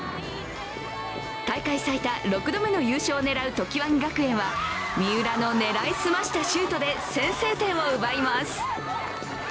大会最多６度目の優勝を狙う常盤木学園は三浦の狙いすましたシュートで先制点を奪います。